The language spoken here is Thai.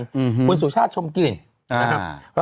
อืมคุณสุชาติชมกลิ่นนะครับ